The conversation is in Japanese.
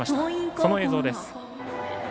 その映像です。